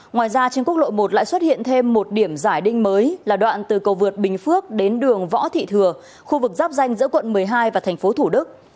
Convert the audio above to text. ngoài ra trên quốc lộ một lại xuất hiện thêm một điểm giải đinh mới là đoạn từ cầu vượt bình phước đến đường võ thị thừa khu vực giáp danh giữa quận một mươi hai và thành phố thủ đức